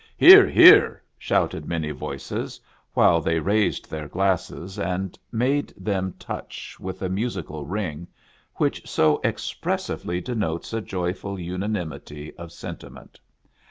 " Hear ! hear !" shouted many voices, while they raised their glasses, and made them touch with a musical ring, which so expressively denotes a joyful unanimity of sentiment.